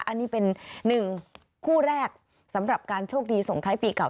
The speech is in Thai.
อันนี้เป็นหนึ่งคู่แรกสำหรับการโชคดีส่งท้ายปีเก่า